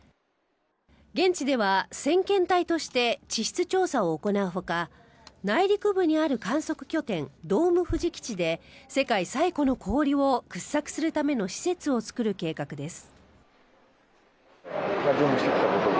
現地では先遣隊として地質調査を行うほか内陸部にある観測拠点ドームふじ基地で世界最古の氷を掘削するための施設を作る計画です。